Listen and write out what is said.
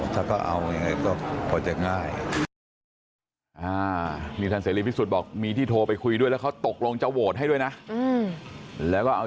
ถ้าเขาก็เอาอย่างไรก็ปลอดภัยง่าย